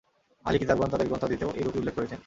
আহলি কিতাবগণ তাদের গ্রন্থাদিতেও এরূপই উল্লেখ করেছেন।